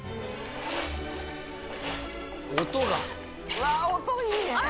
うわっ音いいね。